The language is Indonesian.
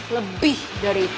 lebih dari itu